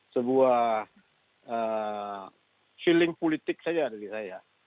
sebuah healing politik saja dari saya